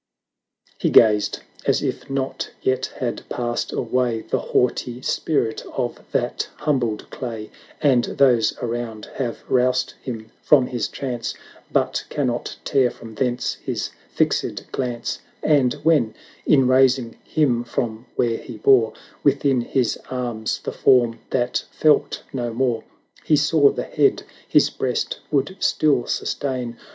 He gazed, as if not yet had passed away The haughty spirit of that humbled clay; And those around have roused him from his trance, But cannot tear from thence his fixed glance; 4IO LARA [Canto ii. And when, in raising him from where he bore Within his arms the form that felt no more, 1150 He saw the head his breast would still sustain.